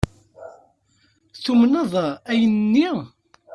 Tumned ayen-nni?